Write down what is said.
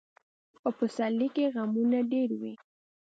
په پسرلي کې غمونه ډېر وي.